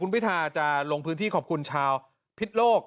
พิทาจะลงพื้นที่ขอบคุณชาวพิษโลก